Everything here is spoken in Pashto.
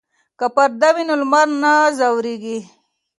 که پرده وي نو لمر نه ځوروي.